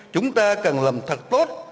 chúng ta cần làm thật tốt